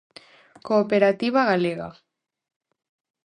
Cooperativa Galega.